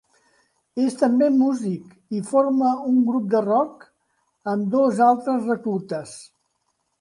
És també músic i forma un grup de rock amb dos altres reclutes.